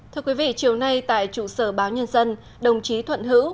thưa quý vị chiều nay tại trụ sở báo nhân dân đồng chí thuận hữu